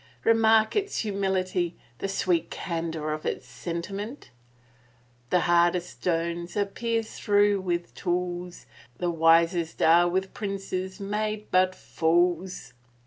" Remark its humility — the sweet candor of its sentiment ! r "The hardest stones are pierced through with tools: The wisest are with princes made but fools."